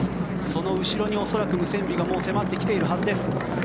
その後ろに恐らくムセンビがもう迫ってきているはずです。